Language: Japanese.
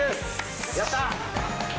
やった。